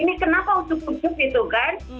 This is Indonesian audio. ini kenapa utuk utuk gitu kan